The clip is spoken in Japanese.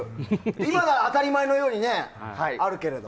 今では当たり前のようにあるけれども。